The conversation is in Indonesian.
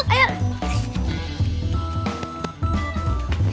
kita beli yuk dem